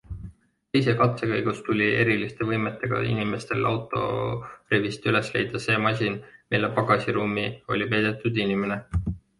Teise katse käigus tuli eriliste võimetega inimestel autorivist üles leida see masin, mille pagasiruumi oli peidetud inimene.